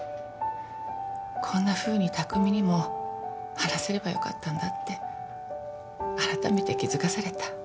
こんなふうに拓海にも話せればよかったんだってあらためて気付かされた。